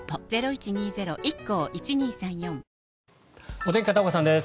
お天気、片岡さんです。